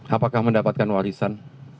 apakah mendapatkan warisan